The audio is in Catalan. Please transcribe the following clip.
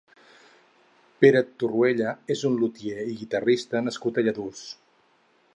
Pere Torruella és un lutier i guitarrista nascut a Lladurs.